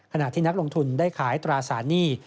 ขณะที่นักลงทุนได้ขายตราสารหนี้